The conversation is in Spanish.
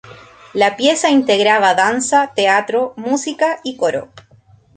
La pieza integraba danza, teatro, música y coro.